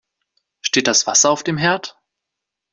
Steht das Wasser auf dem Herd?